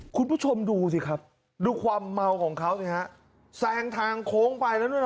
คุณผู้ชมดูสิครับดูความเมาของเขาสิฮะแซงทางโค้งไปแล้วด้วยเห